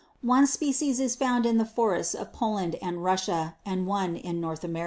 One species is found in the forests of Poland and Russia, and one in North America.